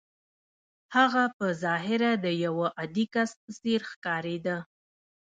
هغه په ظاهره د يوه عادي کس په څېر ښکارېده.